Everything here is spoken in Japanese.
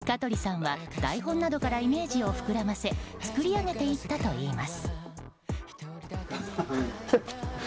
香取さんは台本などからイメージを膨らませ作り上げていったといいます。